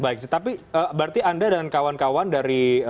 baik tapi berarti anda dan kawan kawan dari